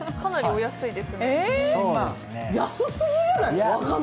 安すぎじゃない？